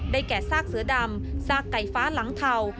แก่ซากเสือดำซากไก่ฟ้าหลังเทา